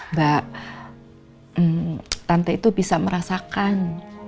mbak tante itu bisa merasakan